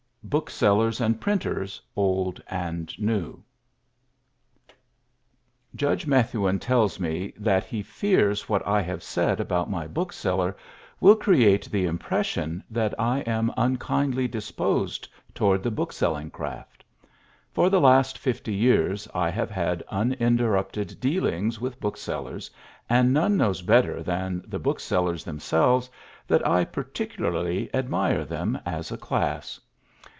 IX BOOKSELLERS AND PRINTERS, OLD AND NEW Judge Methuen tells me that he fears what I have said about my bookseller will create the impression that I am unkindly disposed toward the bookselling craft. For the last fifty years I have had uninterrupted dealings with booksellers, and none knows better than the booksellers themselves that I particularly admire them as a class.